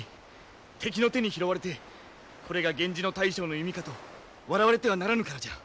敵の手に拾われてこれが源氏の大将の弓かと笑われてはならぬからじゃ。